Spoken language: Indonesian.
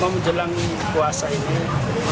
menjelang puasa ini